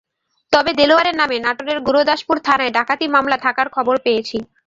তবে দেলোয়ারের নামে নাটোরের গুরুদাসপুর থানায় ডাকাতি মামলা থাকার খবর পেয়েছি।